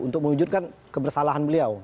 untuk mewujudkan kebersalahan beliau